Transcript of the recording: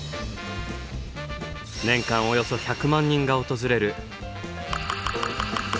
年間およそ１００万人が訪れる。